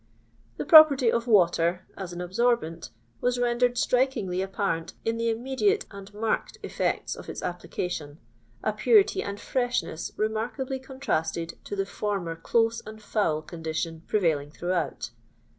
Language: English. " The property of water, aa an absorbent, was rendered strikingly apparent in the immediate and marked effects of its application, a purity and freshness remarkably contrasted to the former close and foul condition prevailing throughout.